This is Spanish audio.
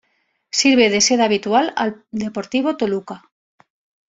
Sirve de sede habitual al Deportivo Toluca.